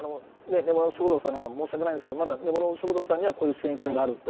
根室食堂さんには申し訳ないんですけど、まだ根室食堂さんにはこういう支援金があると。